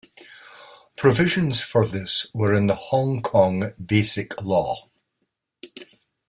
Provisions for this were in the Hong Kong Basic Law.